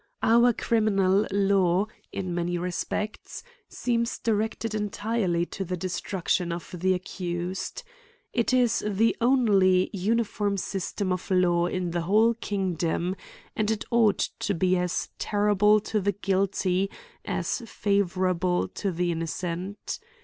Our criminal law, in many respects, seems direc ted entirely to the destruction of the accused. It is the only uniform system of law in the whole kingdom, and it ought to be as terrible to the guilty, as favorable to the innocent.